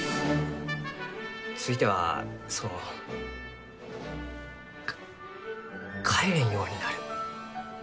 ついてはそのか帰れんようになる。